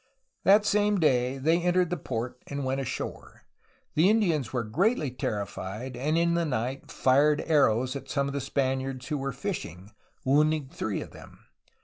That same day they entered the port and went ashore. The Indians were greatly terrified, and in the night fired arrows at some Spaniards who were fishing, wounding three of them.